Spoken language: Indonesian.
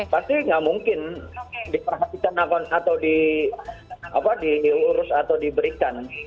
pasti nggak mungkin diperhatikan atau diurus atau diberikan